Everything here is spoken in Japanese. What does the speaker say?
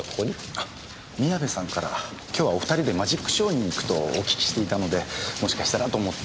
あっ宮部さんから今日はお二人でマジックショーに行くとお聞きしていたのでもしかしたらと思って。